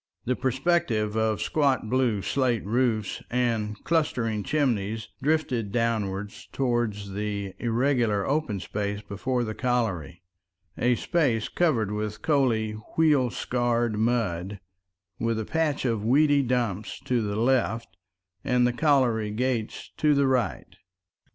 The perspective of squat blue slate roofs and clustering chimneys drifted downward towards the irregular open space before the colliery—a space covered with coaly, wheel scarred mud, with a patch of weedy dump to the left and the colliery gates to the right.